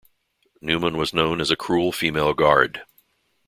Neumann was known as a cruel female guard.